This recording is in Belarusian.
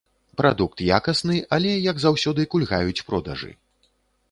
Прадукт якасны, але, як заўсёды, кульгаюць продажы.